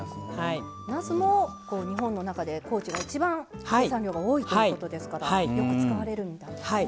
なすも日本の中で高知が一番生産量が多いということですからよく使われるみたいですね。